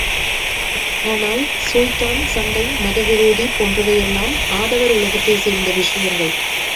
ஆனால், சுல்தான், சண்டை, மத விரோதி போன்றவையெல்லாம் ஆடவர் உலகத்தைச் சேர்ந்த விஷயங்கள்.